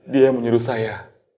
dia yang menyuruh saya